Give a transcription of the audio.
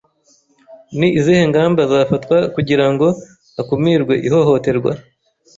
Ni izihe ngamba zafatwa kugira ngo hakumirwe ihohoterwa